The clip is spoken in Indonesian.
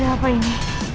ada apa ini